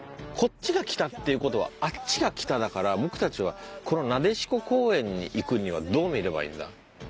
こっちが北っていう事はあっちが北だから僕たちはこのなでしこ公園に行くにはどう見ればいいんだ？